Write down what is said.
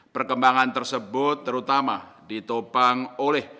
perkembangan tersebut terutama ditopang oleh